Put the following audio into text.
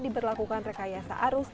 diberlakukan rekayasa arus